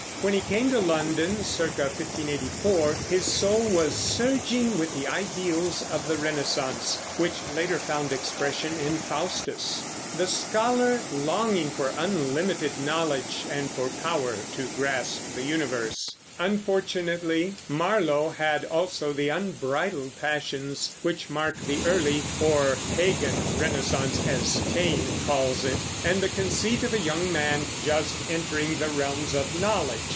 When he came to London (c. 1584), his soul was surging with the ideals of the Renaissance, which later found expression in Faustus, the scholar longing for unlimited knowledge and for power to grasp the universe. Unfortunately, Marlowe had also the unbridled passions which mark the early, or Pagan Renaissance, as Taine calls it, and the conceit of a young man just entering the realms of knowledge.